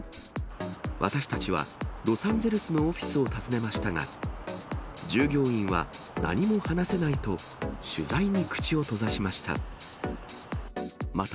私たちは、ロサンゼルスのオフィスを訪ねましたが、従業員は何も話せないと、取材に口を閉ざしました。